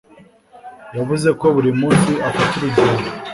Yavuze ko buri munsi afata urugendo.